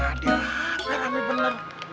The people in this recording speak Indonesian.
ini ada hp rame bener